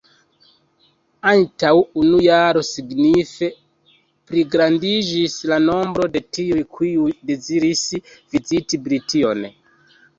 Antaŭ unu jaro signife pligrandiĝis la nombro de tiuj, kiuj deziris viziti Brition.